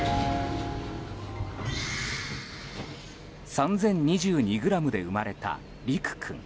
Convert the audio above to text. ３０２２ｇで生まれた理玖君。